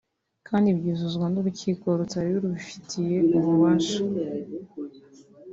kandi byuzuzwa n’urukiko rutari rubufitiye ububasha